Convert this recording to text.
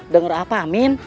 dengar apa amin